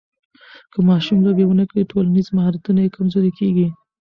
که ماشوم لوبې ونه کړي، ټولنیز مهارتونه یې کمزوري کېږي.